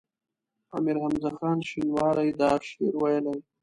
امیر حمزه خان شینواری دا شعر ویلی.